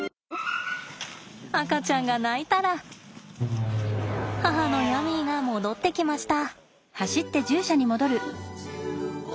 赤ちゃんが鳴いたら母のヤミーが戻ってきました。